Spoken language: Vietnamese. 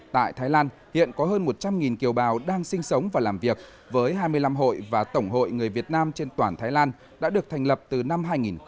tại thái lan hiện có hơn một trăm linh kiều bào đang sinh sống và làm việc với hai mươi năm hội và tổng hội người việt nam trên toàn thái lan đã được thành lập từ năm hai nghìn một mươi